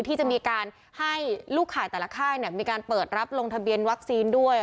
ที่จะมีการให้ลูกข่ายแต่ละค่ายมีการเปิดรับลงทะเบียนวัคซีนด้วย